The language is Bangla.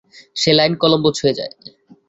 সে লাইন কলম্বো ছুঁয়ে যায়।